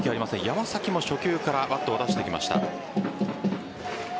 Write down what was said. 山崎も初球からバットを出してきました。